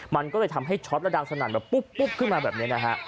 มันก็เลยทำให้ช็อตและดังสนั่นแบบปุ๊บขึ้นมาแบบนี้นะฮะ